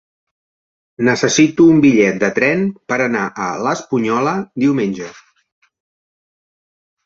Necessito un bitllet de tren per anar a l'Espunyola diumenge.